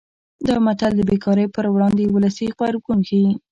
دا متل د بې کارۍ پر وړاندې ولسي غبرګون ښيي